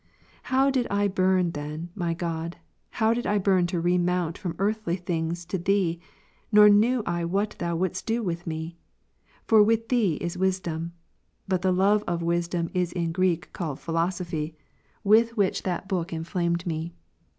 8. How did I burn then, my God, how did I burn to re mount from earthly things to Thee, nor knew I whatThou wouldest do with mc ? For with Thee is wisdom. But the love of wisdom is in Greek called " philosophy," with which that book inflamed me.